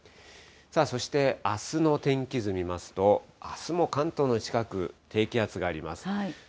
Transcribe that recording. そしてあすの天気図見ますと、あすも関東の近く、低気圧があります。